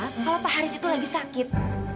kalau pak haris itu lagi sakit